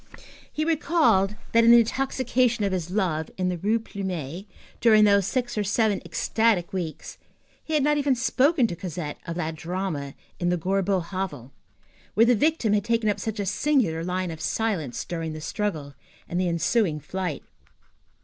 He recalled that, in the intoxication of his love, in the Rue Plumet, during those six or seven ecstatic weeks, he had not even spoken to Cosette of that drama in the Gorbeau hovel, where the victim had taken up such a singular line of silence during the struggle and the ensuing flight.